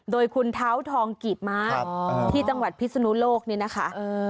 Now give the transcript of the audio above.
โดยคุณเท้าทองกีดม้าที่จังหวัดพิศนุโลกนี่นะคะ